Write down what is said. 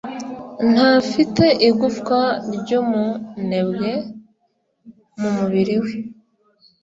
Ntafite igufwa ry'umunebwe mu mubiri we.